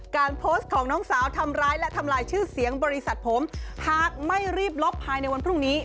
การโพสต์ของน้องสาวทำร้ายและทำลายชื่อเสียงบริษัทผมหากไม่รีบลบภายในวันพรุ่งนี้